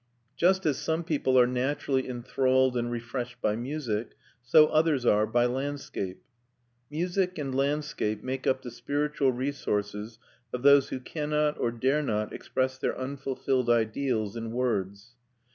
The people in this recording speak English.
Just as some people are naturally enthralled and refreshed by music, so others are by landscape. Music and landscape make up the spiritual resources of those who cannot or dare not express their unfulfilled ideals in words.